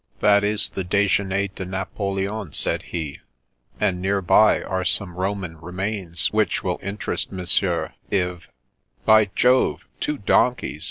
" That is the ' Dejeuner de Napoleon,' " said he, " aiid near by are some Roman remains which will interest Monsieur if "" By Jove, two donkeys